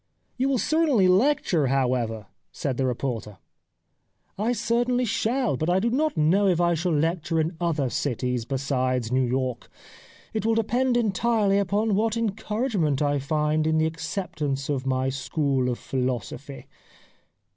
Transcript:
"* You will certainly lecture, however ?' said the reporter. "' I certainly shall, but I do not know if I shall lecture in other cities besides New York. It will depend entirely upon what encourage ment I find in the acceptance of my school of philosophy.'